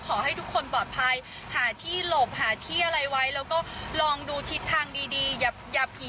มันไม่สนุกเลยก็เปิดลิฟท์ขึ้นมาใช่ไหมตอนแรกเขาบอกอยู่กับฉันสิ